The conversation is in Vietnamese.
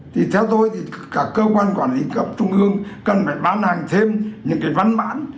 theo tôi các cơ quan quản lý cấp trung ương cần phải bán hàng thêm những văn bản